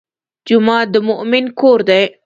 جومات د مؤمن کور دی.